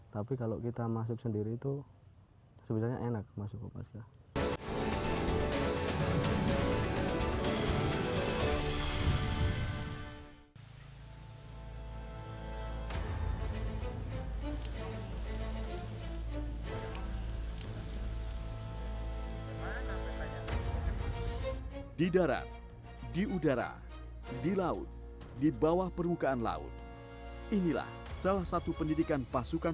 tapi kalau kita masuk sendiri itu sebenarnya enak masuk kopaska